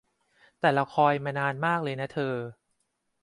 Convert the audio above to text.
แต่เราคอยล์มานานมากเลยนะเธอ